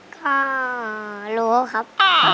ก็รู้ครับ